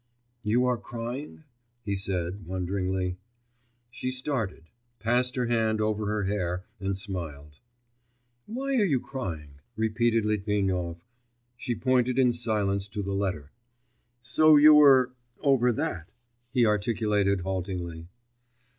'You are crying?' he said wonderingly. She started, passed her hand over her hair and smiled. 'Why are you crying?' repeated Litvinov. She pointed in silence to the letter. 'So you were ... over that,' he articulated haltingly.